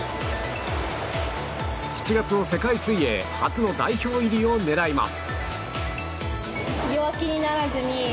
７月の世界水泳初の代表入りを狙います。